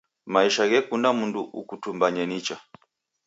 Maisha ghekunda mundu ukutumbanye nicha